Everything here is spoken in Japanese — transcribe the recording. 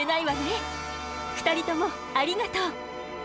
２人ともありがとう！